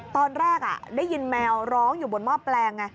ตอนแรกได้ยินแมวร้องอยู่บนหม้อแปลงไง